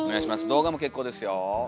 動画も結構ですよ。